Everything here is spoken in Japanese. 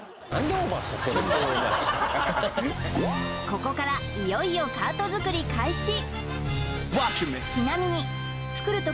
ここからいよいよカート作り開始！